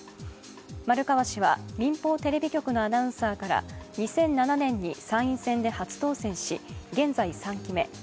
丸川氏は民放テレビ局のアナウンサーから２００７年に参院選で初当選し、現在３期目。